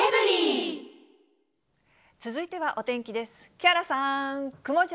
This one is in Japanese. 続いてはお天気です。